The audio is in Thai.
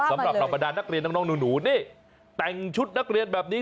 สำหรับเหล่าบรรดานักเรียนน้องหนูนี่แต่งชุดนักเรียนแบบนี้